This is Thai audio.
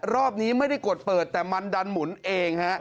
รอบนี้ไม่ได้กดเปิดแต่มันดันหมุนเองฮะ